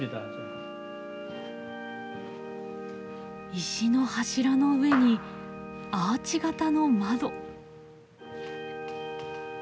石の柱の上にアーチ型の窓。